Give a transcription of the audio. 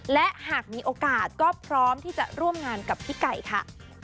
และหากมีโอกาสก็พร้อมที่จะร่วมงานกับพี่ไก่ค่ะ